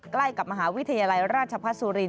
ใกล้กับมหาวิทยาลัยราชพัฒนสุรินท